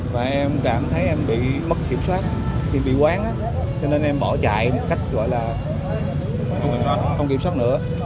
và em cảm thấy em bị mất kiểm soát thì bị quán á cho nên em bỏ chạy một cách gọi là không kiểm soát nữa